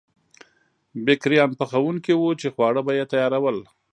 بېکریان پخوونکي وو چې خواړه به یې تیارول.